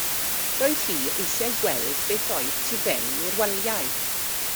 Roedd hi eisiau gweld beth oedd tu fewn i'r waliau.